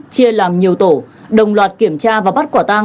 chia làm nhiều tổ đồng loạt kiểm tra và bắt quả tang